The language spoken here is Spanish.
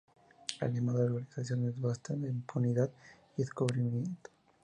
El lema de la organización es "Basta de impunidad y encubrimiento!